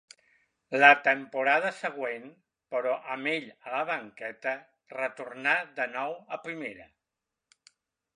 La temporada següent, però, amb ell a la banqueta, retornà de nou a primera.